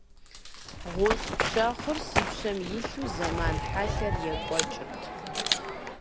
ГъущӀ пщэхъур си пщэм илъу зэман хьэлъэр екӀуэкӀырт.